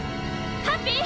ハッピー！